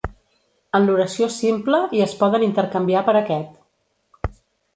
En l'oració simple i es poden intercanviar per aquest.